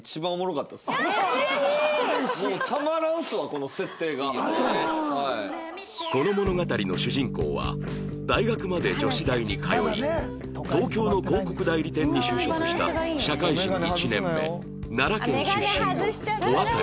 この物語の主人公は大学まで女子大に通い東京の広告代理店に就職した社会人１年目奈良県出身の戸渡花